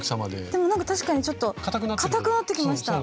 でもなんか確かにちょっとかたくなってきました。